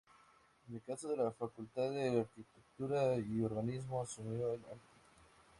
En el caso de la Facultad de Arquitectura y Urbanismo asumió el Arq.